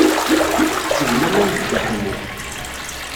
Tetteg laman deg Dda Ḥemmu.